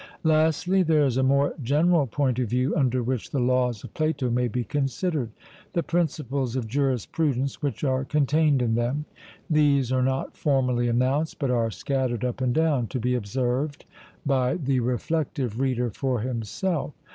Lastly, there is a more general point of view under which the Laws of Plato may be considered, the principles of Jurisprudence which are contained in them. These are not formally announced, but are scattered up and down, to be observed by the reflective reader for himself.